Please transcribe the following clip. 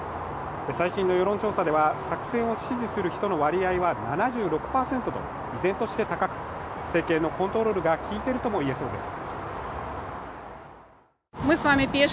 最新の世論調査では作戦を指示する人の割合は７６％と依然として高く政権のコントロールが効いているともいえそうです。